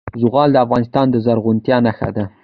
زغال د افغانستان د زرغونتیا نښه ده.